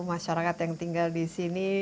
masyarakat yang tinggal di sini